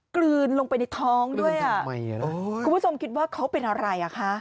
กลืนลงไปในท้องด้วยอ่ะคุณผู้ชมคิดว่าเขาเป็นอะไรอ่ะคะ